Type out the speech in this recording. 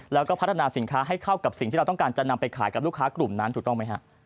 แล้วก็พัฒนาสินค้าให้เข้ากับสิ่งที่เราต้องการจะนำไปขายกับลูกค้ากลุ่มนั้นถูกต้องไหมฮะ